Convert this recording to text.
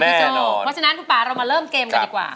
แน่นอนพี่โจ้เพราะฉะนั้นพี่ป่าเรามาเริ่มเกมกันดีกว่า